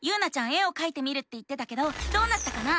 絵をかいてみるって言ってたけどどうなったかな？